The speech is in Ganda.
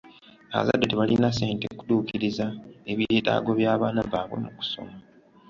Abazadde tebalina ssente kutuukiriza ebyetaago by'abaana baabwe mu kusoma.